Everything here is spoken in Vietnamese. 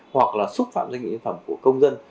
hoặc là xúc phạm doanh nghiệp yên phẩm của công dân